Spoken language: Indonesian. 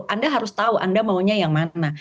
anda harus tahu anda maunya yang mana